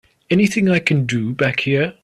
Anything I can do back here?